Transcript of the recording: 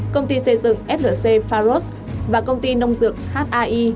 công ty xây dựng flc pharos và công ty nông dược hai